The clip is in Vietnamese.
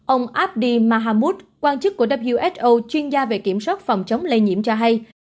ông abdi mahmoud quan chức của who chuyên gia về kiểm soát phòng chống lây nhiễm cho hay